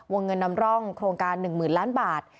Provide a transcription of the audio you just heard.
เงินนำร่องโครงการ๑๐๐๐ล้านบาท